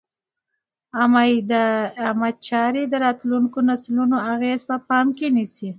عامه چارې د راتلونکو نسلونو اغېز په پام کې نیسي.